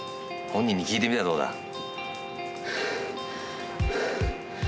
本人に聞いてみたらどうだ？